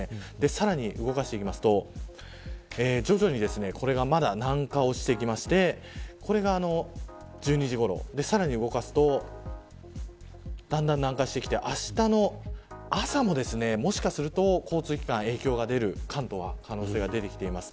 さらに動かしていきますと徐々にこれが南下をしてきましてこれが１２時ごろさらに動かすとだんだん南下してきてあしたの朝ももしかすると交通機関影響が出る関東は可能性が出てきています。